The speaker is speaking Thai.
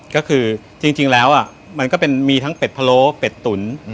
ก็คือจริงแล้วมันก็เป็นมีทั้งเป็ดพะโล้เป็ดตุ๋น